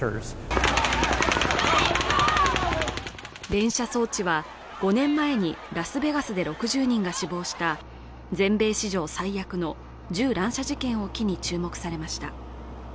連射装置は５年前にラスベガスで６０人が死亡した全米史上最悪の銃乱射事件を機に注目されました